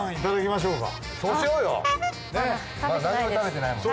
まだ何も食べてないもん。